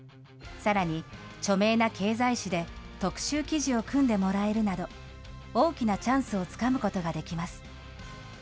さらに著名な経済誌で特集記事を組んでもらえるなど、大きなチャンスをつかむことができます。